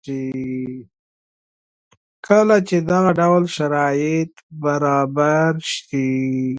کله چې دغه ډول شرایط برابر شي